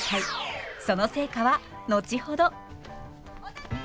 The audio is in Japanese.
その成果は後ほど。